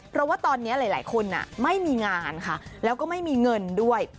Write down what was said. เพราะว่าตอนนี้หลายคนไม่มีงานค่ะแล้วก็ไม่มีเงินด้วย